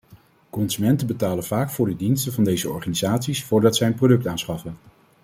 Consumenten betalen vaak voor de diensten van deze organisaties voordat zij een product aanschaffen.